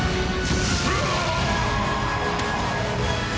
うわ‼